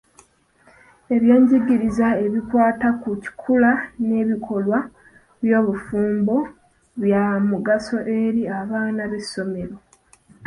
Ebyenjigiriza ebikwata ku kikula n'ebikolwa by'obufumbo bya mugaso eri abaana b'essomero.